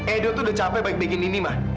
edo tuh udah capek baik baikin indi mak